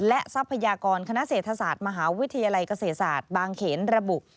และทรัพยากรคณะเศรษฐศาสตร์มหาวิทยาลัยเกษตรศาสตร์บางเขนระบุ